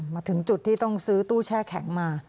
มาถึงจุดที่ต้องซื้อตู้แช่แข็งมา